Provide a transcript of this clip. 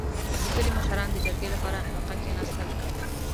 • د کلي مشران د جرګې لپاره حلقه کښېناستل.